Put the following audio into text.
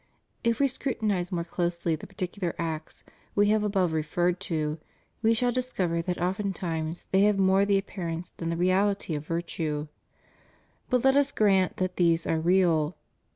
If we scrutinize more closely the particular acts We have above referred to, we shall discover that oftentimes they have more the appear ance than the reality of virtue. But let us grant that these are real.